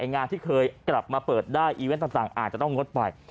งานที่เคยกลับมาเปิดได้อีเวนต์ต่างอาจจะต้องงดไป